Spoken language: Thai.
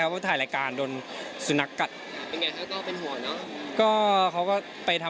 เขาถ่ายรายการโดนสุนัขกัด